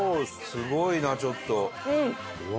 すごいなちょっと。